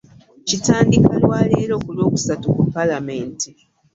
Kitandika lwa leero ku Lwokusatu ku palamenti.